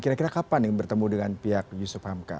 kira kira kapan bertemu dengan pihak yusuf hamka